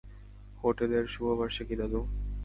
হোটেলের শুভ বার্ষিকী, দাদু!